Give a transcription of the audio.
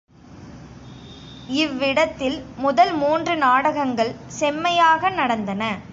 இவ்விடத்தில் முதல் மூன்று நாடகங்கள் செம்மையாக நடந்தன.